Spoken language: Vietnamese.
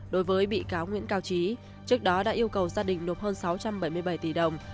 đối với bị cáo nguyễn cao trí trước đó đã yêu cầu gia đình nộp hơn sáu trăm bảy mươi bảy tỷ đồng